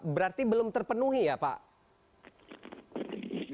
berarti belum terpenuhi ya pak